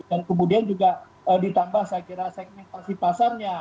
dan kemudian juga ditambah saya kira segmentasi pasarnya